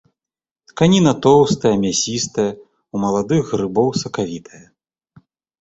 Тканіна тоўстая, мясістая, у маладых грыбоў сакавітая.